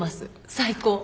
最高。